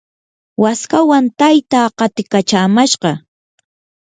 waskawan taytaa qatikachamashqa.